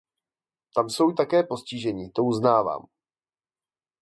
Tam jsou také postiženi, to uznávám.